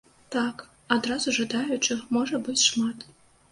Так, адразу жадаючых можа быць шмат.